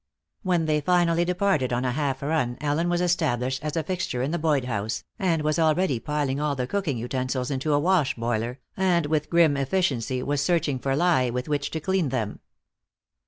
When they finally departed on a half run Ellen was established as a fixture in the Boyd house, and was already piling all the cooking utensils into a wash boiler and with grim efficiency was searching for lye with which to clean them.